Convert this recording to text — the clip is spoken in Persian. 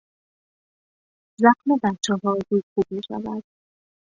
زخم بچهها زود خوب میشود.